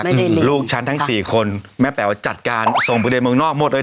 ไม่ได้เรียนลูกฉันทั้งสี่คนแม่แป๋วจัดการส่งบริเวณเมืองนอกหมดเลย